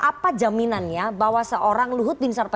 apa jaminannya bahwa seorang luhut bin sar pajar